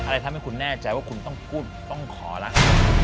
ทำให้คุณแน่ใจว่าคุณต้องพูดต้องขอละ